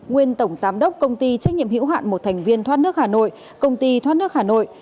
nguyên tổng giám đốc công ty trách nhiệm hữu hạn một thành viên thoát nước hà nội công ty thoát nước hà nội